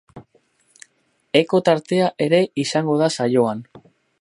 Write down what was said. Eko tartea ere izango da saioan.